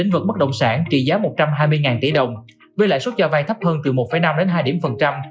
vật bất động sản trị giá một trăm hai mươi tỷ đồng với lại số trò vay thấp hơn từ một năm hai điểm phần trăm